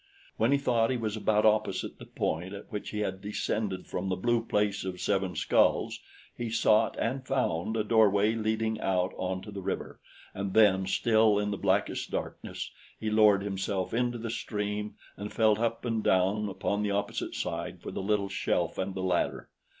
When he thought he was about opposite the point at which he had descended from the Blue Place of Seven Skulls, he sought and found a doorway leading out onto the river; and then, still in the blackest darkness, he lowered himself into the stream and felt up and down upon the opposite side for the little shelf and the ladder.